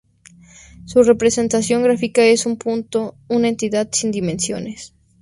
Su representación gráfica es un punto, una entidad sin dimensiones.